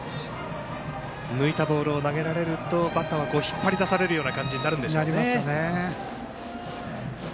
抜いたボールを投げられると、バッターは引っ張り出されるような感じになりますね。